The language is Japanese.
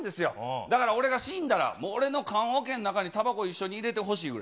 だから俺が死んだら、俺のかんおけの中にたばこ一緒に入れてほしいくらい。